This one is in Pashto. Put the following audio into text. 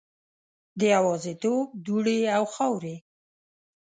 د یوازیتوب دوړې او خاورې